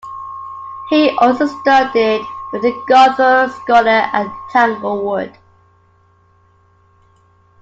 He also studied with Gunther Schuller at Tanglewood.